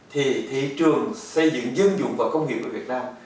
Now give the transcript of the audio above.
thì thị trường xây dựng dân dụng và công nghiệp của việt nam